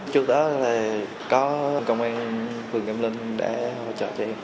trước đó là có công an phường cam linh đã hỗ trợ cho em